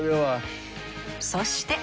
そして！